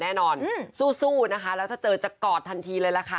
แน่นอนสู้นะคะแล้วถ้าเจอจะกอดทันทีเลยล่ะค่ะ